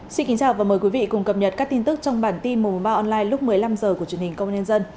xin kính chào và mời quý vị cùng cập nhật các tin tức trong bản tin một trăm một mươi ba online lúc một mươi năm h của truyền hình công nhân dân